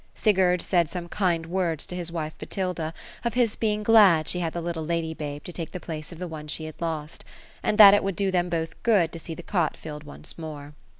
Sigurd said some kind words to his wife Botilda, of his being glad she had the little lady babe to take the place of the one she had lost ; and that it would do them both good to see the oot filled once more.